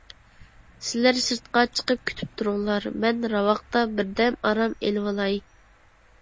سىلەر سىرتقا چىقىپ كۈتۈپ تۇرۇڭلار، مەن راۋاقتا بىردەم ئارام ئېلىۋالاي.